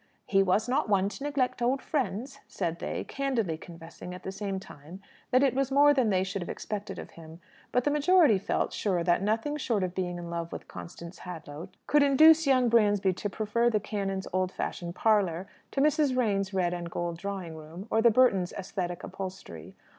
"He was not one to neglect old friends," said they, candidly confessing at the same time that it was more than they should have expected of him. But the majority felt sure that nothing short of being in love with Constance Hadlow could induce young Bransby to prefer the canon's old fashioned parlour to Mrs. Raynes's red and gold drawing room, or the Burtons' æsthetic upholstery.